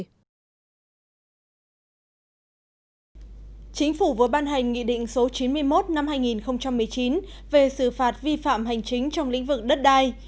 chính phủ vừa ban hành nghị định số chín mươi một năm hai nghìn một mươi chín về xử phạt vi phạm hành chính trong lĩnh vực đất đai